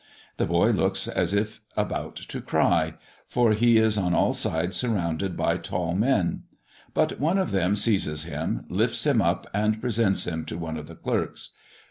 The boy looks as if about to cry, for he is on all sides surrounded by tall men. But one of them seizes him, lifts him up, and presents him to one of the clerks.